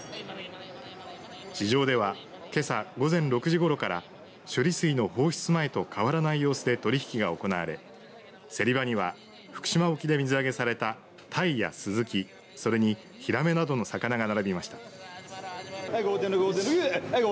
市場では、けさ午前６時ごろから処理水の放出前と変わらない様子で取引が行われ競り場には福島沖で水揚げされたたいやすずきそれに、ひらめなどの魚が並びました。